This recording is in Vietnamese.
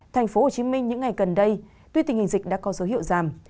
tp hcm những ngày gần đây tuy tình hình dịch đã có số hiệu giảm